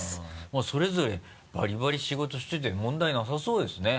もうそれぞれバリバリ仕事してて問題なさそうですね。